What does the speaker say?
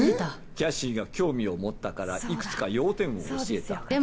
キャシーが興味を持ったから、いくつか要点を教えた。